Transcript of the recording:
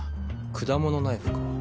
果物ナイフか。